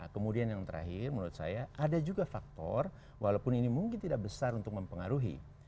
kemudian yang terakhir menurut saya ada juga faktor walaupun ini mungkin tidak besar untuk mempengaruhi